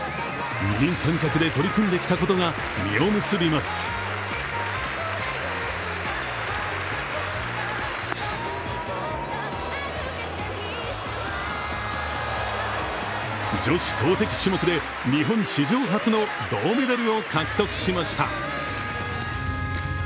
二人三脚で取り組んできたことが実を結びます女子投てき種目で日本史上初の銅メダルを獲得しました。